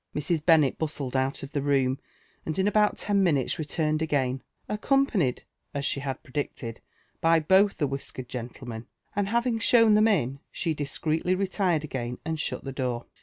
Mrs. Bennet bustled out of the room, and in about ten minutes re * iurned again, accompanied, as she had predicted, by both the wisia kered gentlemen ; and having shown them in, she discreetly retired again and shut the door.